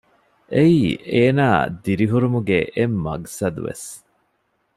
އެއީ އޭނާ ދިރިހުރުމުގެ އެއް މަޤުޞަދުވެސް